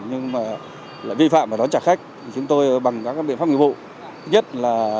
hay xe chở khách lái xe đưa ra